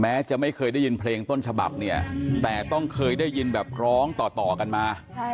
จะไม่เคยได้ยินเพลงต้นฉบับเนี่ยแต่ต้องเคยได้ยินแบบร้องต่อกันมา